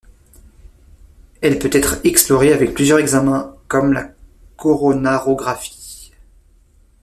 Elle peut être explorée avec plusieurs examens comme la coronarographie.